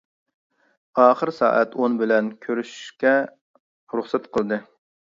ئاخىر سائەت ئون بىلەن كۆرۈشۈشكە رۇخسەت قىلدى.